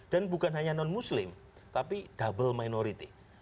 dan bukan hanya non muslim tapi double minority